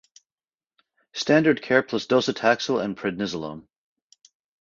Standard care plus docetaxel and prednisolone.